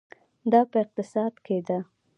دا په اقتصاد کې ده.